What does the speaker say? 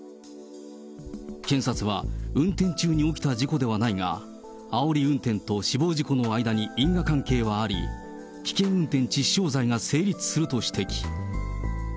検察は運転中に起きた事故ではないが、あおり運転と死亡事故の間に因果関係はあり、危険運転致死傷罪が成立すると指摘。